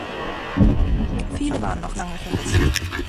Viele waren noch lange vermisst.